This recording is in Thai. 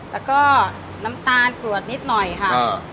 แล้วก็น้ำตาลกรวดนิดหน่อยค่ะ